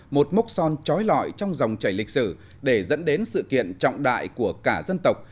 một mốc son trói lọi trong dòng chảy lịch sử để dẫn đến sự kiện trọng đại của cả dân tộc